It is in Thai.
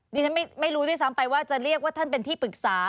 ดิฉันไม่รู้ด้วยซ้ำไปว่าจะเรียกว่าท่านเป็นที่ปรึกษา